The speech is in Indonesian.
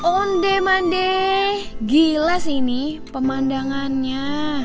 ondeh mandai gila sih ini pemandangannya